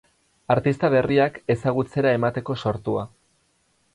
Artista berriak ezagutzera emateko sortua.